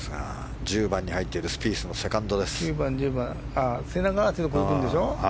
１０番に入っているスピースのセカンド。